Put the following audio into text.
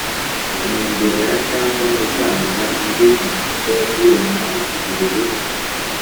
inyongera cyangwa gutanga indi nyandiko rubona uruhushya